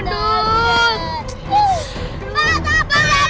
godsapa aduh bukan